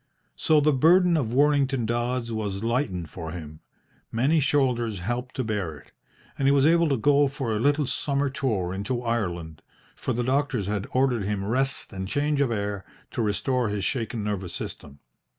So the burden of Worlington Dodds was lightened for him; many shoulders helped to bear it, and he was able to go for a little summer tour into Ireland, for the doctors had ordered him rest and change of air to restore his shaken nervous system.